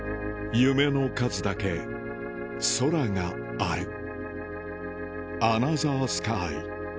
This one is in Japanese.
夢の数だけ空がある、アナザースカイ。